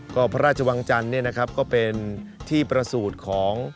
ก็พระราชวังจันทร์เนี่ยนะครับก็เป็นที่ประสูจน์ของ